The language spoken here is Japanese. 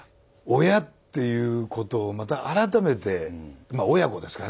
親っていうことをまた改めてまあ親子ですかね。